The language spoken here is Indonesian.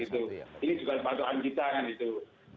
ini juga patokan kita kan itu